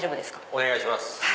お願いします。